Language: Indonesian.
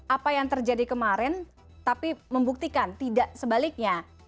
apa yang terjadi kemarin tapi membuktikan tidak sebaliknya